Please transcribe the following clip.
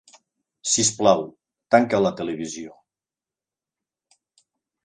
Sisplau, tanca la televisió.